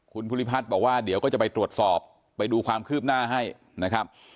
คุณภูริพัฒน์บอกว่าเดี๋ยวก็จะไปตรวจสอบไปดูความคืบหน้าให้นะครับ